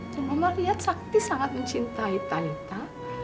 tapi mama liat sakti sangat mencintai talita